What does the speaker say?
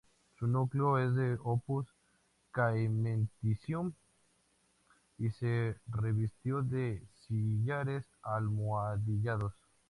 Su núcleo es de "opus caementicium" y se revistió de sillares almohadillados.